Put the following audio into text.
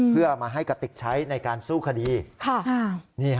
เพื่อเอามาให้กระติกใช้ในการสู้คดี